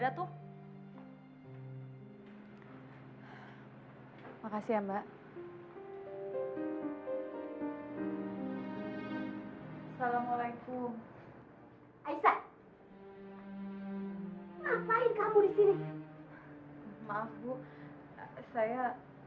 dia gak boleh kerja di tempat saya